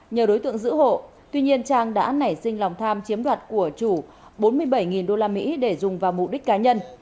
nhờ đối tượng giữ hộ tuy nhiên trang đã nảy sinh lòng tham chiếm đoạt của chủ bốn mươi bảy usd để dùng vào mục đích cá nhân